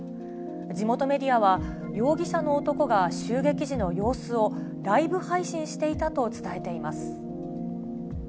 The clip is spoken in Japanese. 地元メディアは、容疑者の男が襲撃時の様子を、ライブ配信していたと伝えています。